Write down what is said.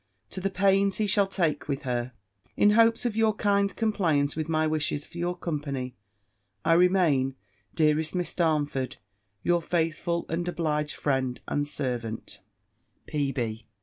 to the pains he shall take with her. In hopes of your kind compliance with my wishes for your company, I remain, dearest Miss Darnford, your faithful and obliged friend and servant, "P.